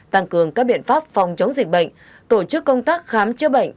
tăng cường các biện pháp phòng chống dịch bệnh tổ chức công tác khám chữa bệnh